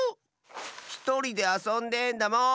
ひとりであそんでんだもん！